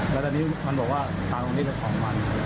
แล้วตอนนี้มันบอกว่าทางตรงนี้เป็นของมัน